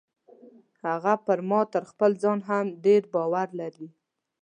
هغه پر ما تر خپل ځان هم ډیر باور لري.